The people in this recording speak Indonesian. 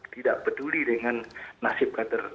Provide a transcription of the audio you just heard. tidak peduli dengan nasib kader